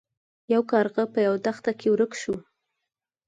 یو کارغه په یوه دښته کې ورک شو.